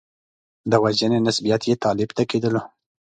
د وژنې نسبیت یې طالب ته کېدلو.